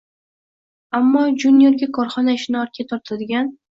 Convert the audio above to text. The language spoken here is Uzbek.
Ammo juniorga korxona ishini ortga tortadigan